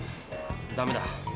ダメだ。